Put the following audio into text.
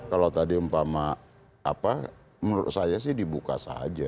kalau tadi umpama apa menurut saya sih dibuka saja